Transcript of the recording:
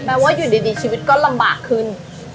ว่าอยู่ดีชีวิตก็ลำบากขึ้น